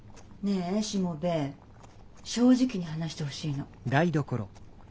ねえしもべえ正直に話してほしいの。